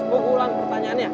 mau gue ulang pertanyaannya